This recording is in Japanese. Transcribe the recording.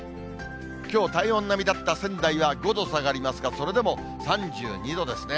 きょう、体温並みだった仙台は５度下がりますが、それでも３２度ですね。